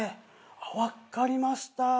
分かりました。